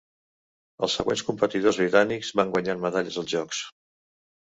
Els següents competidors britànics van guanyar medalles als jocs.